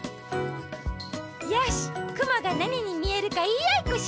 よしくもがなににみえるかいいあいっこしよう！